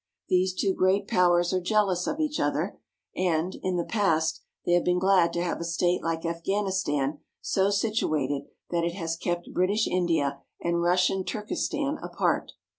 These two great powers are jealous of each other; and, in the past, they have been glad to have a state like Afghanistan so situated that it has kept British India and Russian Turkestan apart.